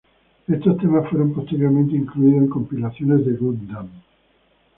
Estos temas fueron posteriormente incluidos en compilaciones de Gundam.